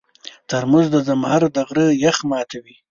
ترموز د زمهر د غره یخ ماتوي.